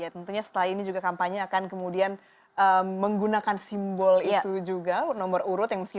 pemilihan umum di kpud kabupaten bekasi